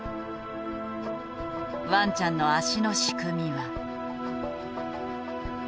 ワンちゃんの足の仕組みは。